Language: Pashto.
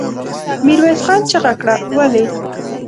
ميرويس خان چيغه کړه! ولې؟